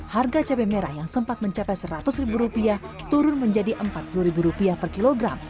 harga cabai merah yang sempat mencapai seratus rupiah turun menjadi empat puluh rupiah per kilogram